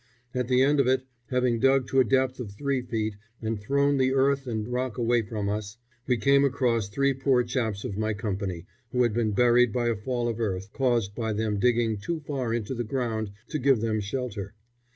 At the end of it, having dug to a depth of three feet, and thrown the earth and rock away from us, we came across three poor chaps of my company who had been buried by a fall of earth, caused by them digging too far into the ground to give them shelter.